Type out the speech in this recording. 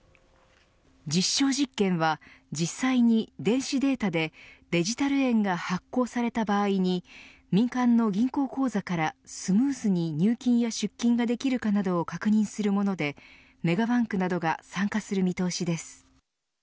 実証実験は実際に電子データでデジタル円が発行された場合に民間の銀行口座からスムーズに入金や出金ができるかなどを確認するものでメガバンクなどが参加する見通しです。